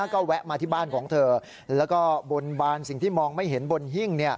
ก็แวะมาที่บ้านของเธอแล้วก็บนบานสิ่งที่มองไม่เห็นบนหิ้ง